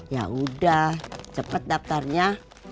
ya udah cepet daftarnya